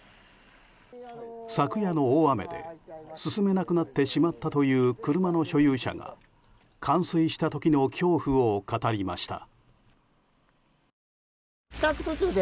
昨夜の大雨で進めなくなってしまったという車の所有者が冠水した時の恐怖を語りました。